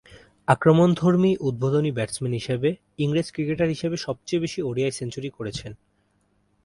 আক্রমণধর্মী উদ্বোধনী ব্যাটসম্যান হিসেবে, ইংরেজ ক্রিকেটার হিসেবে সবচেয়ে বেশি ওডিআই সেঞ্চুরি করেছেন।